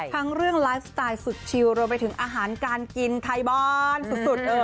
ทั้งเรื่องไลฟ์สไตล์สุดชิลรวมไปถึงอาหารการกินไทยบอนสุด